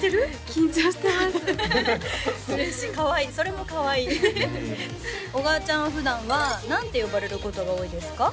緊張してます嬉しいかわいいそれもかわいい小川ちゃんは普段は何て呼ばれることが多いですか？